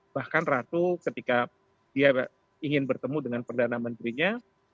bahkan ratu ketika dia ingin bertemu dengan perdana menterinya